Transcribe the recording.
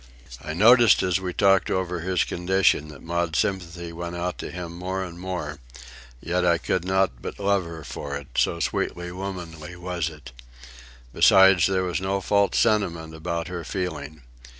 I noticed as we talked over his condition, that Maud's sympathy went out to him more and more; yet I could not but love her for it, so sweetly womanly was it. Besides, there was no false sentiment about her feeling.